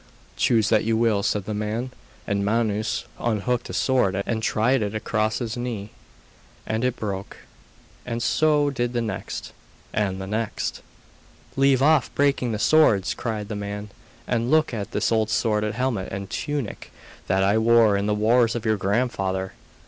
'Choose what you will,' said the man; and Manus unhooked a sword and tried it across his knee, and it broke, and so did the next, and the next. 'Leave off breaking the swords,' cried the man, 'and look at this old sword and helmet and tunic that I wore in the wars of your grandfather.